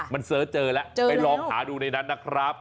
มันเสิร์ชเจอแล้วไปลองหาดูในนั้นนะครับ